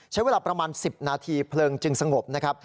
ใช้เวลาประมาณ๑๐นาทีเพลิงจึงสงบนะครับ